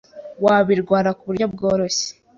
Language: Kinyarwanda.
wabirwara ku buryo bworoshye